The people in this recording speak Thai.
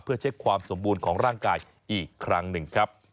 เพื่อเช็คความสมบูรณ์ของร่างกายอีกครั้งหนึ่งครับ